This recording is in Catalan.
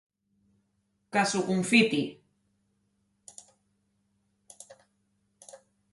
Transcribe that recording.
Que s'ho confiti.